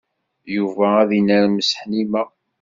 Yuba ad inermes Ḥnifa.